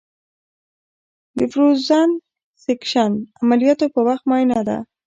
د فروزن سیکشن عملیاتو په وخت معاینه ده.